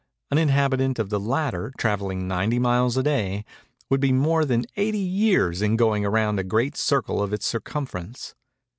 An inhabitant of the latter, travelling 90 miles a day, would be more than 80 years in going round a great circle of its circumference.